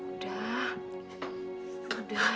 udah pak udah